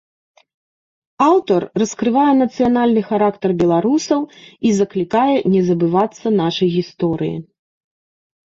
Аўтар раскрывае нацыянальны характар беларусаў і заклікае не забывацца нашай гісторыі.